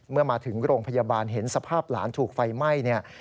เมื่อมาถึงโรงพยาบาลเห็นสภาพหลานถูกไฟไหม้เนี่ย